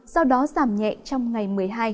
sau đó giảm nhẹ trong ngày một mươi hai